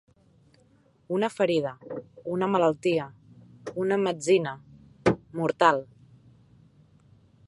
Una ferida, una malaltia, una metzina, mortal.